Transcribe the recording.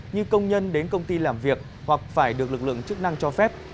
như công nhân đến công ty làm việc hoặc phải được lực lượng chức năng cho phép